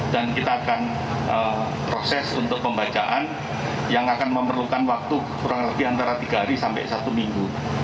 dan kita akan proses untuk pembacaan yang akan memerlukan waktu kurang lebih antara tiga hari sampai satu minggu